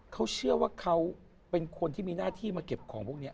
เขาเชื่อว่าเขาเป็นคนที่มีหน้าที่มาเก็บของพวกนี้